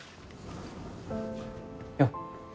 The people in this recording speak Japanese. よっ。